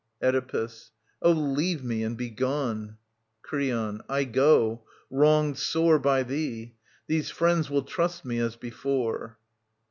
Oedipus. Oh, leave me and begone I Creon. I go, wronged sore By thee. These friends will trust me as before.